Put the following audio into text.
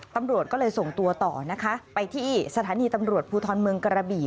ตำรวจก็เลยส่งตัวต่อนะคะไปที่สถานีตำรวจภูทรเมืองกระบี่